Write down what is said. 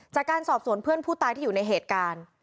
จากการสอบสวนเพื่อนผู้ตายที่อยู่ในเหตุการณ์